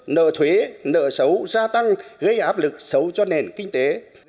nợ thuế nợ xấu gia tăng gây áp lực xấu cho nền kinh tế